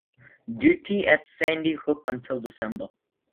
Duty at Sandy Hook until December.